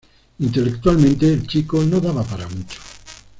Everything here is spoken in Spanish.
Intelectualmente, el chico no daba para mucho.